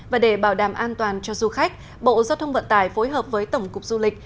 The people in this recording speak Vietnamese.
và để bảo đảm an toàn cho du khách bộ giao thông vận tải phối hợp với tổng cục du lịch